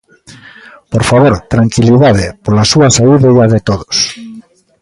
¡Por favor, tranquilidade!, pola súa saúde e a de todos.